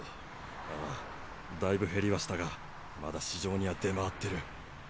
ああだいぶ減りはしたがまだ市場には出回ってる。